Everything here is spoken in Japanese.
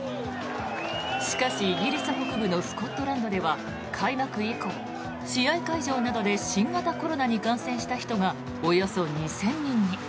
しかし、イギリス北部のスコットランドでは開幕以降、試合会場などで新型コロナに感染した人がおよそ２０００人に。